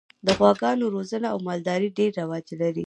د غواګانو روزنه او مالداري ډېر رواج لري.